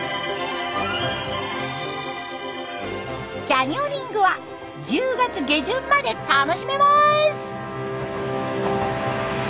キャニオニングは１０月下旬まで楽しめます！